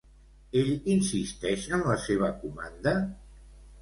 Ell insisteix en la seva comanda?